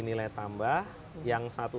nilai tambah yang satu